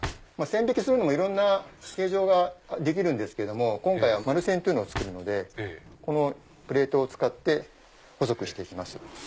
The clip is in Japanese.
線引きするにもいろんな形状ができるんですけども今回は丸線っていうのを作るのでこのプレートを使って細くします。